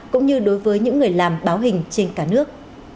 cũng như đối với những người làm báo hình trên cả nước